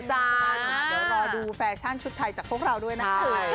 รอดูผ้าชั่นชุดไทยจากพวกเราด้วยนะ